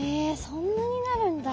そんなになるんだ。